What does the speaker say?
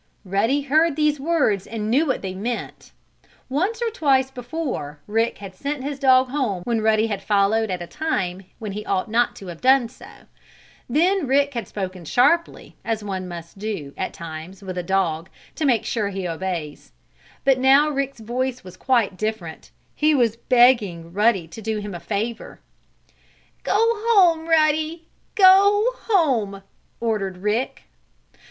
Ruddy heard these words and he knew what they meant. Once or twice before Rick had sent his dog home when Ruddy had followed at a time when he ought not to have done so. Then Rick had spoken sharply, as one must do, at times, with a dog, to make sure he obeys. But now Rick's voice was quite different. He was begging Ruddy to do him a favor. "Go home, Ruddy! Go home!" ordered Rick.